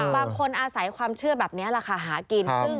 บางคนอาศัยความเชื่อแบบนี้ราคาหากิน